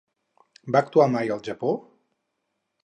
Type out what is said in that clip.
Va actuar mai al Japó?